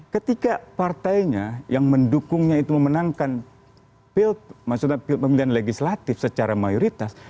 ketika partainya yang mendukungnya itu memenangkan pemilihan legislatif secara mayoritas